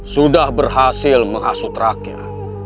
sudah berhasil menghasut rakyat